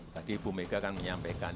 tadi ibu mega kan menyampaikan